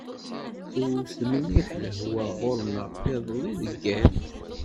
Tewt-d mliḥ lehwa ɣur-neɣ iḍelli deg yiḍ.